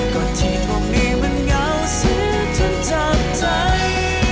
ก็ที่ทวงดีมั่นเงาเสียจนจับใจ